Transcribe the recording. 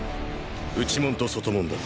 内門と外門だ。